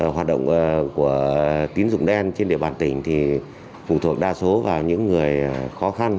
hoạt động của tín dụng đen trên địa bàn tỉnh thì phụ thuộc đa số vào những người khó khăn